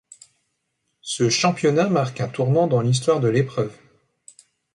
Ce championnat marque un tournant dans l’histoire de l’épreuve.